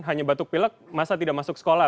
hanya batuk pilek masa tidak masuk sekolah